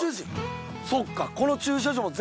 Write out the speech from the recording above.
そっか。